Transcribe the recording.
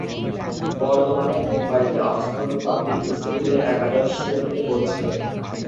বর্তমানে মুম্বাইতে Oxford public school এ একাদশ শ্রেণীতে পড়ছে।